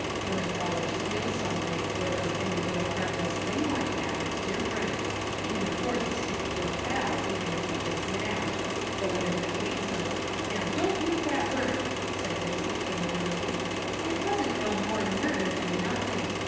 When a feller steals something, or does any little harmless thing like that, it's different. He can afford to stick to a pal, even if he gets nabbed. But when it's a case of " "Now, don't use that word!" said Wixy angrily. "It wasn't no more murder than nothing.